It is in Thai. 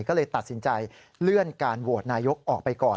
ก็เลยตัดสินใจเลื่อนการโหวตนายกออกไปก่อน